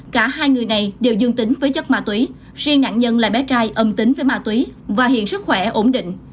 cả hai người này đều dương tính với chất ma túy riêng nạn nhân là bé trai âm tính với ma túy và hiện sức khỏe ổn định